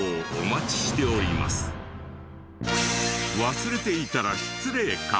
忘れていたら失礼かも。